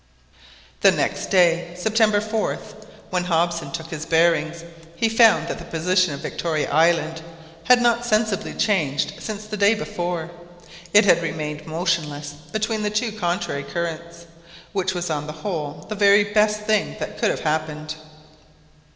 The next day, September 4th, when Hobson took his bearings, he found that the position of Victoria Island had not sensibly changed since the day before. It had remained motionless between the two contrary currents, which was on the whole the very best thing that could have happened.